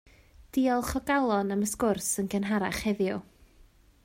Diolch o galon am y sgwrs yn gynharach heddiw